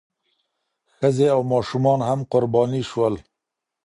ښځې او ماشومان هم قرباني شول.